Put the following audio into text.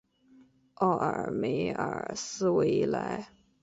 奥尔梅尔斯维莱。